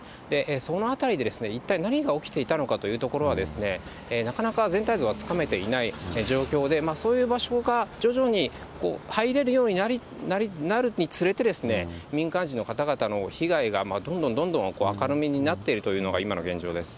その辺りで、一体何が起きていたのかというところは、なかなか全体像はつかめていない状況で、そういう場所が徐々に入れるようになるにつれて、民間人の方々の被害が、どんどんどんどん明るみになっているというのが今の現状です。